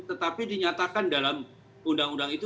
tetapi dinyatakan dalam undang undang itu